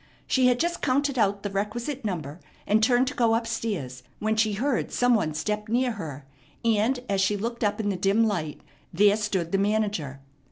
She had just counted out the requisite number and turned to go up stairs when she heard some one step near her, and, as she looked up in the dim light, there stood the manager.